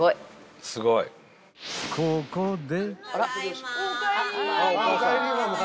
［ここで］